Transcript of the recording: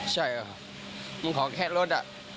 ใช่เหรอมึงขอแค่รถ